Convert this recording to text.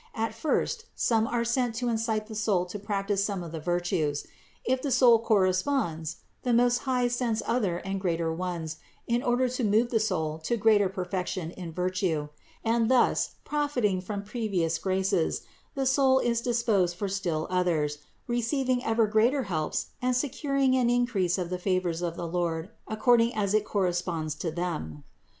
At first some are sent to incite the soul to practice some of the virtues ; if the soul corresponds, the Most High sends other and greater ones in order to move the soul to greater perfec tion in virtue; and thus, profiting from previous graces, the soul is disposed for still others, receiving ever greater helps and securing an increase of the favors of the Lord according as it corresponds to them.